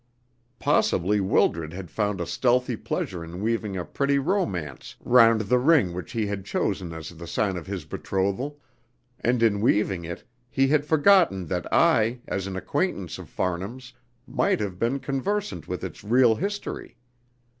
Possibly Wildred had found a stealthy pleasure in weaving a pretty romance round the ring which he had chosen as the sign of his betrothal, and in weaving it he had forgotten that I, as an acquaintance of Farnham's, might have been conversant with its real history.